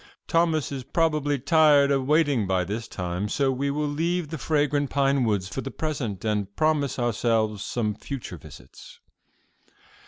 Thomas is probably tired of waiting by this time; so we will leave the fragrant pine woods for the present, and promise ourselves some future visits."